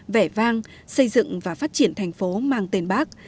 vẻ vang xây dựng và phát triển thành phố mang tên bác